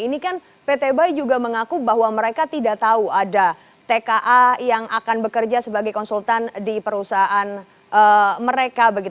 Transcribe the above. ini kan pt bayi juga mengaku bahwa mereka tidak tahu ada tka yang akan bekerja sebagai konsultan di perusahaan mereka